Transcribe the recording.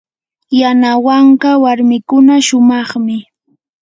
yanawanka warmikuna shumaqmi.